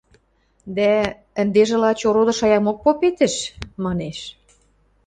дӓ: – Ӹндежӹ лач ороды шаямок попетӹш... – манеш.